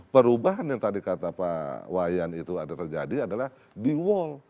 perubahan yang tadi kata pak wayan itu ada terjadi adalah di wall